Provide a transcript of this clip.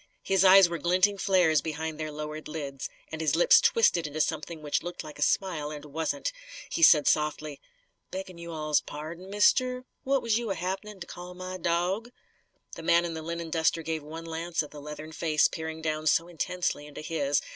His eyes were glinting flares behind their lowered lids, and his lips twisted into something which looked like a smile and wasn't. He said softly: "Beggin' you all's pardon, mister, what was you a happenin' to call my dawg?" The man in the linen duster gave one glance at the leathern face peering down so intensely into his.